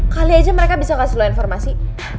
kali aja mereka bisa kasih loh informasi